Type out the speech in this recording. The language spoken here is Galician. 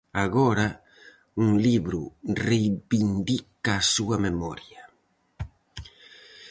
Agora, un libro reivindica a súa memoria.